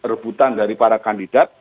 rebutan dari para kandidat